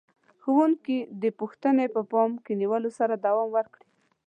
ښوونکي دې پوښتنې په پام کې نیولو سره دوام ورکړي.